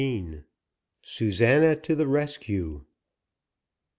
SUSANA TO THE RESCUE.